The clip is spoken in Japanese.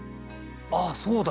あっそうだ。